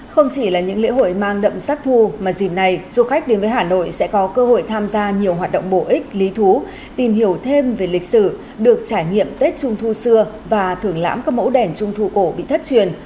không chỉ là những lễ hội mang đậm sắc thu mà dìm này du khách đến với hà nội sẽ có cơ hội tham gia nhiều hoạt động bổ ích lý thú tìm hiểu thêm về lịch sử được trải nghiệm tết trung thu xưa và thưởng lãm các mẫu đèn trung thu cổ bị thất truyền